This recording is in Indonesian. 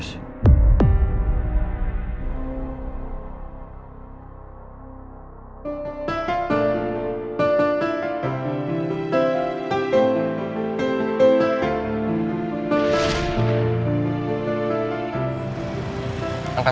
supaya ibu tidak sedih